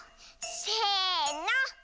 せの。